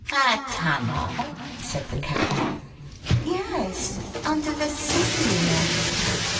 " A tunnel ?" said the Cat. "Yes; under the sea, you know."